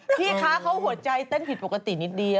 พี่คะเขาหัวใจเต้นผิดปกตินิดเดียว